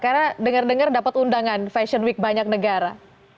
karena dengar dengar dapat undangan fashion week banyak negara